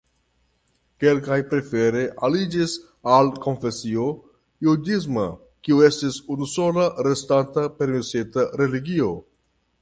Kelkaj prefere aliĝis al konfesio judisma, kiu estis unusola restanta permesita religio.